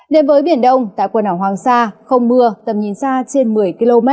đến với biển đông tại quần đảo hoàng sa không mưa tầm nhìn xa trên một mươi km